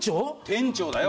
店長だよ。